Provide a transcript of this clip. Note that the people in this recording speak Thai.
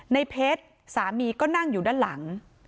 ในเพชรสามีก็นั่งอยู่ด้านหลัง